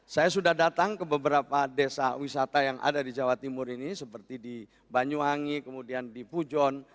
saya sudah datang ke beberapa desa wisata yang ada di jawa timur ini seperti di banyuwangi kemudian di pujon